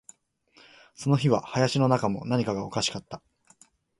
その日は林の中も、何かがおかしかった